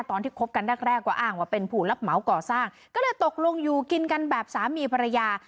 คบกันแรกแรกก็อ้างว่าเป็นผู้รับเหมาก่อสร้างก็เลยตกลงอยู่กินกันแบบสามีภรรยา